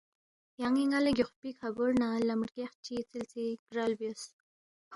یانی نالا گیوخپی کھابور نہ لمی ڑگیاخ چی ژلژی گرل بیوس